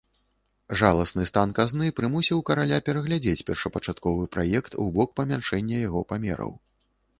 Жаласны стан казны прымусіў караля перагледзець першапачатковы праект у бок памяншэння яго памераў.